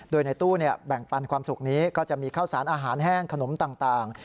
โดยในตู้แบ่งปันความสุขนี้ก็จะมีข้าวสารอาหารแห้งขนมต่าง